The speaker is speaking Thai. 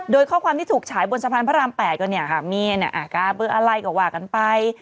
โดยข้อความที่ถูกฉายบนสะพานพระราม๘ก็เนี่ยค่ะมีอากาศเบอร์อะไรก็ว่ากันไป